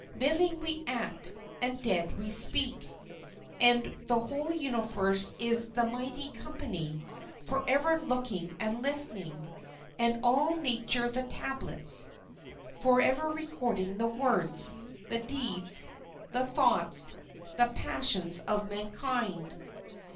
Living we act, and dead we speak; and the whole universe is the mighty company, forever looking and listening; and all nature the tablets, forever recording the words, the deeds, the thoughts, the passions of mankind.